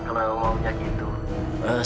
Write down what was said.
kalau maunya gitu